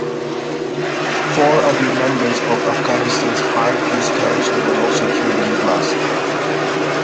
Four other members of Afghanistan's High Peace Council were also killed in the blast.